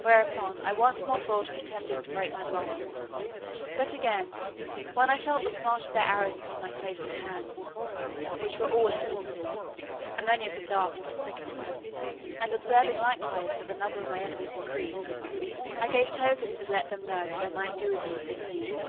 Whereupon I once more thought of attempting to break my bonds; but again, when I felt the smart of their arrows upon my face and hands, which were all in blisters, and many of the darts still sticking in them, and observing likewise that the number of my enemies increased, I gave tokens to let them know that they might do with me what they pleased.